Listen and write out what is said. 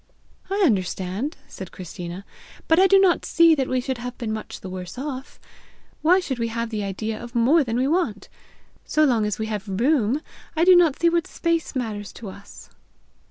"I understand!" said Christina. "But I do not see that we should have been much the worse off. Why should we have the idea of more than we want? So long as we have room, I do not see what space matters to us!"